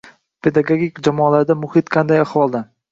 Pedagogik jamoalarda muhit qanday ahvolda?